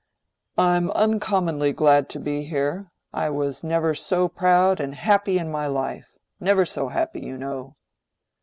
"I'm uncommonly glad to be here—I was never so proud and happy in my life—never so happy, you know."